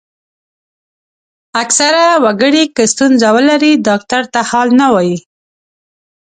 اکثره وګړي که ستونزه ولري ډاکټر ته حال نه وايي.